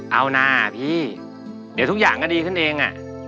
เอานะพี่เดี๋ยวทุกอย่างก็ดีขึ้นเอง